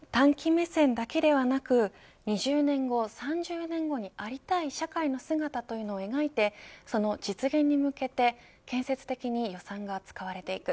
短期目線だけではなく２０年後３０年後にありたい社会の姿というのを描いてその実現に向けて建設的に予算が使われていく。